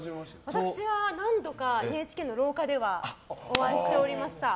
私は何度かＮＨＫの廊下ではお会いしておりました。